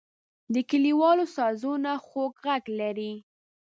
د کلیوالو سازونه خوږ غږ لري.